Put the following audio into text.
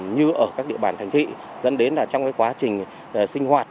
như ở các địa bàn thành thị dẫn đến trong quá trình sinh hoạt